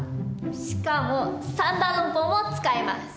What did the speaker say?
しかも三段論法も使います。